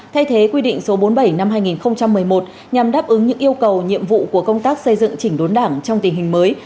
thay thế quy định số bốn mươi bảy năm hai nghìn một mươi một nhằm đáp ứng những yêu cầu nhiệm vụ của công tác xây dựng chỉnh đốn đảng trong tình hình mới